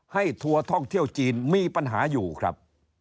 ทัวร์ท่องเที่ยวจีนมีปัญหาอยู่ครับ